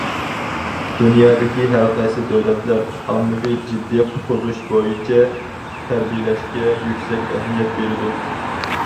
دۇنيادىكى ھەر قايسى دۆلەتلەر ئاممىۋى جىددىي قۇتقۇزۇش بويىچە تەربىيەلەشكە يۈكسەك ئەھمىيەت بېرىدۇ.